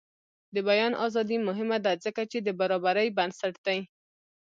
د بیان ازادي مهمه ده ځکه چې د برابرۍ بنسټ دی.